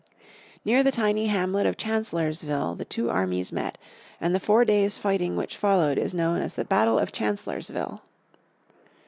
Near the tiny hamlet of Chancellorsville the two armies met, and the four days' fighting which followed is known as the battle of Chancellorsville.